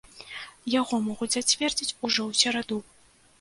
Яго могуць зацвердзіць ужо ў сераду.